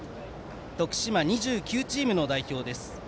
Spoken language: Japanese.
徳島２９チームの代表です。